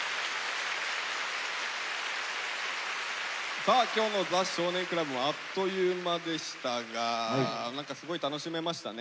さあ今日の「ザ少年倶楽部」はあっという間でしたが何かすごい楽しめましたね。